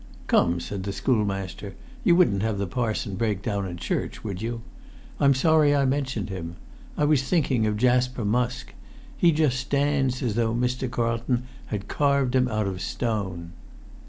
"Come," said the schoolmaster, "you wouldn't have the parson break down in church, would you? I'm sorry I mentioned him. I was thinking of Jasper Musk. He just stands as though Mr. Carlton had carved him out of stone."